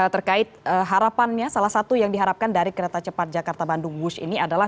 terkait harapannya salah satu yang diharapkan dari kereta cepat jakarta bandung wush ini adalah